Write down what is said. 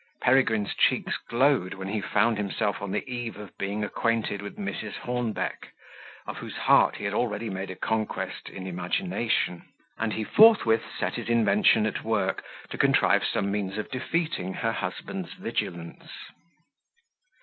Peregrine's cheeks glowed when he found himself on the eve of being acquainted with Mrs. Hornbeck, of whose heart he had already made a conquest in imagination; and he forthwith set his invention at work, to contrive some means of defeating her husband's vigilance.